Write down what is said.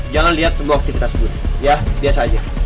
jangan lihat semua aktivitas gue ya biasa aja